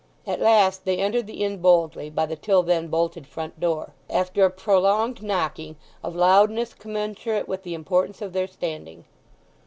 At last they entered the inn boldly, by the till then bolted front door, after a prolonged knocking of loudness commensurate with the importance of their standing.